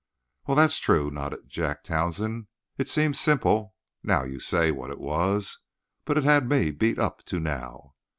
"Well, that's true," nodded Jack Townsend. "It seems simple, now you say what it was, but it had me beat up to now.